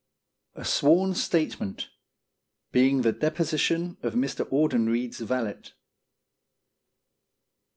A SWORN STATEMENT. Being the Deposition of Mr. Audenried's Valet.